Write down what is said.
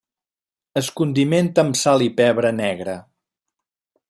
Es condimenta amb sal i pebre negre.